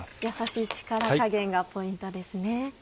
やさしい力加減がポイントですね。